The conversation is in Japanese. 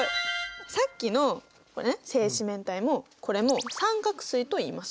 さっきの正四面体もこれも三角錐といいます。